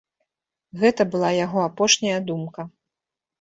Гэта была яго апошняя думка.